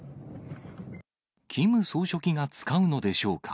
キム総書記が使うのでしょうか。